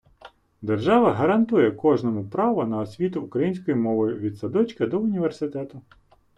Держава гарантує кожному право на освіту українською мовою від садочка до університету.